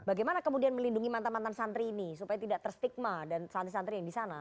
bagaimana kemudian melindungi mantan mantan santri ini supaya tidak terstigma dan santri santri yang di sana